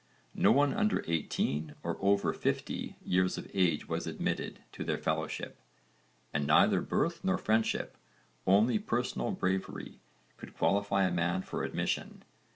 No one under eighteen or over fifty years of age was admitted to their fellowship, and neither birth nor friendship, only personal bravery, could qualify a man for admission.